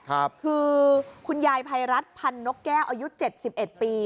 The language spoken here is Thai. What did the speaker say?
คือคุณยายภัยรัฐพันธุ์นกแก้อายุ๗๑ปี